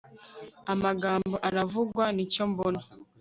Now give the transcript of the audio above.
amagambo aravugwa, nicyo mbona